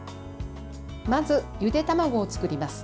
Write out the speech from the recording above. まず、ゆで卵を作ります。